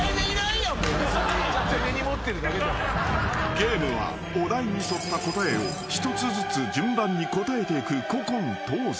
［ゲームはお題に沿った答えを一つずつ順番に答えていく古今東西］